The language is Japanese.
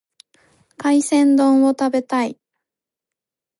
海鮮丼を食べたい。